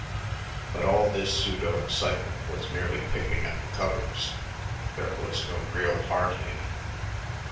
But all this pseudo excitement was merely picking at the covers; there was no real heart in it.